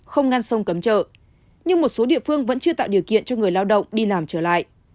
không ngăn sông cấm chợ nhưng một số địa phương vẫn chưa tạo điều kiện cho người lao động đi làm trở lại